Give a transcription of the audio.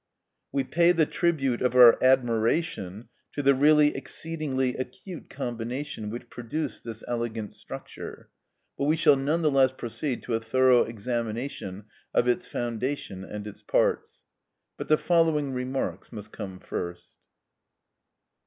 We pay the tribute of our admiration to the really exceedingly acute combination which produced this elegant structure, but we shall none the less proceed to a thorough examination of its foundation and its parts. But the following remarks must come first.